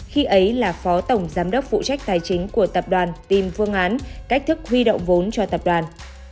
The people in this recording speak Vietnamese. khi ấy là phó tổng giám đốc phụ trách tài chính của tập đoàn tìm phương án cách thức huy động vốn cho tập đoàn